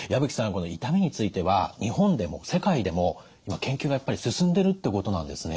この痛みについては日本でも世界でも今研究がやっぱり進んでるってことなんですね？